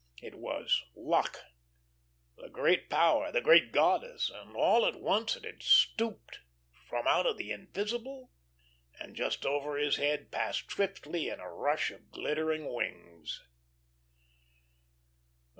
It was Luck, the great power, the great goddess, and all at once it had stooped from out the invisible, and just over his head passed swiftly in a rush of glittering wings.